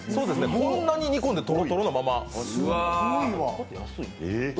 こんなに煮込んでトロトロのまま。